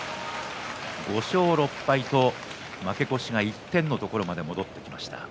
５勝６敗と負け越し１点というところまで戻ってきました。